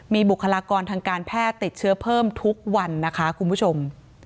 มีบุคลากรทางการแพทย์ติดเชื้อเพิ่มทุกวันนะคะคุณผู้ชม